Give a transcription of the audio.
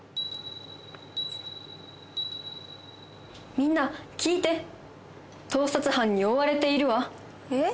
みんな聞いて盗撮犯に追われているわえ